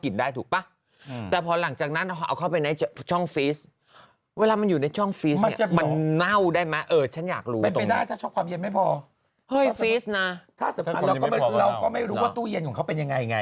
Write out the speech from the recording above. นะวแต่เพราะหลังจากนั้นเองก็ไม่ได้พอไม่รู้ว่าตู้เย็นของเขาเป็นยังไง